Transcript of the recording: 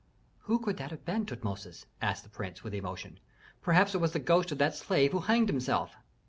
"Who could that have been, Tutmosis?" asked the prince, with emotion. "Perhaps it was the ghost of that slave who hanged himself?"